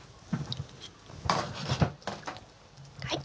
はい！